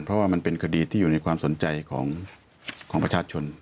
เพราะว่ามันเป็นคดีที่อยู่ในความสนใจของประชาชน